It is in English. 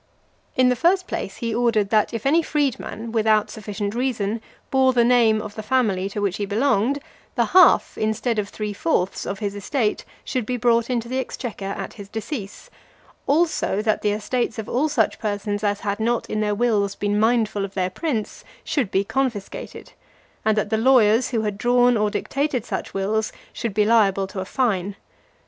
In the first place, he ordered, that if any freedman, without sufficient reason, bore the name of the family to which he belonged; the half, instead of three fourths, of his estate should be brought into the exchequer at his decease: also that the estates of all such persons as had not in their wills been mindful of their prince, should be confiscated; and that the lawyers who had drawn or dictated such wills, should be liable to a fine.